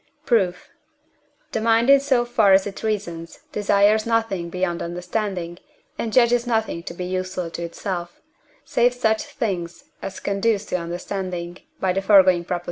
Proof. The mind, in so far as it reasons, desires nothing beyond understanding, and judges nothing to be useful to itself, save such things as conduce to understanding (by the foregoing Prop.).